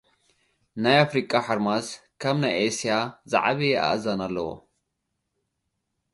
ናይ ኣፍሪቃ ሓርማዝ ካብ ናይ እስያ ዝዓበየ ኣእዛን ኣለዎ።